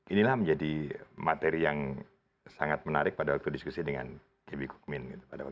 inilah menjadi materi yang sangat menarik pada waktu diskusi dengan kb kukmin